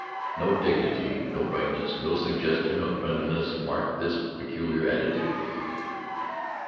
No dignity, no brightness, no suggestion of friendliness marked this peculiar attitude.